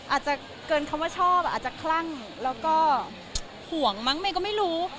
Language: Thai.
อาจจะเกินคำว่าชอบอาจจะคลั่งแล้วก็ห่วงมั้งเมย์ก็ไม่รู้